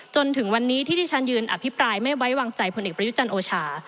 จนถึงวันนี้ที่ที่ฉันยืนอภิปรายไม่ไว้วางใจพลเอกประยุจันทร์โอชา